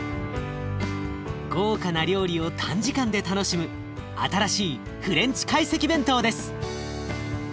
豪華な料理を短時間で楽しむ新しいフレンチ懐石弁当です。